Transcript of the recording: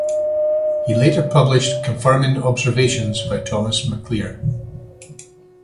He later published confirming observations by Thomas Maclear.